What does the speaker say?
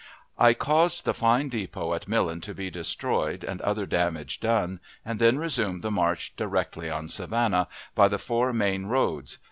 I caused the fine depot at Millen to be destroyed, and other damage done, and then resumed the march directly on Savannah, by the four main roads.